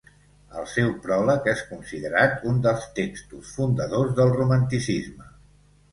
El seu pròleg és considerat un dels textos fundadors del romanticisme.